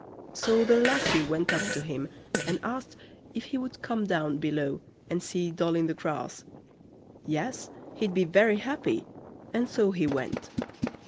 So the lassie went up to him, and asked if he would come down below and see "Doll i' the Grass". Yes, he'd be very happy, and so he went.